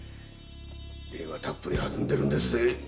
礼はたっぷりはずんでるんですぜ。